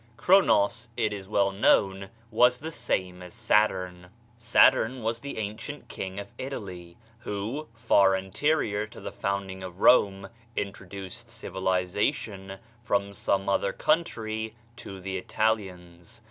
Chronos, it is well known, was the same as Saturn. Saturn was an ancient king of Italy, who, far anterior to the founding of Rome, introduced civilization from some other country to the Italians.